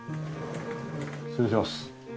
失礼します。